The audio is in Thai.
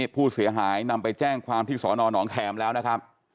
ผู้เสียหายนำไปแจ้งความที่สอนอนองแคมแล้วนะครับ